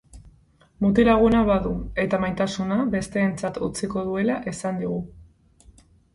Mutil-laguna badu, eta maitasuna bestentzat utziko duela esan digu.